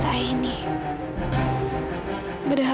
berdahalkan aku juga dengar